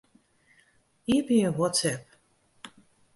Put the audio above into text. Iepenje WhatsApp.